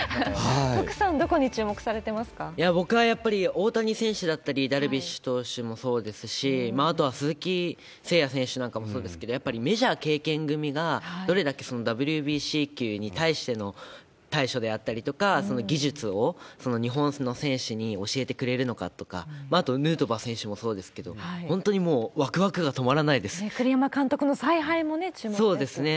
福さん、僕はやっぱり大谷選手だったり、ダルビッシュ投手もそうですし、あとは鈴木誠也選手なんかもそうですけれども、やっぱりメジャー経験組が、どれだけＷＢＣ球に対しての対処であったりとか技術を日本の選手に教えてくれるのかとか、あとヌートバー選手もそうですけれども、本当にもうわくわくが止栗山監督の采配も注目ですよね。